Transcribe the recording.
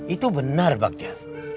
itu benar bagja